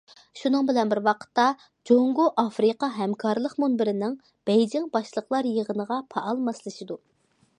شۇنىڭ بىلەن بىر ۋاقىتتا، جۇڭگو- ئافرىقا ھەمكارلىق مۇنبىرىنىڭ بېيجىڭ باشلىقلار يىغىنىغا پائال ماسلىشىدۇ.